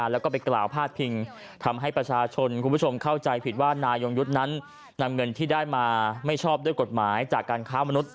แล้วก็ไปกล่าวพาดพิงทำให้ประชาชนคุณผู้ชมเข้าใจผิดว่านายยงยุทธ์นั้นนำเงินที่ได้มาไม่ชอบด้วยกฎหมายจากการค้ามนุษย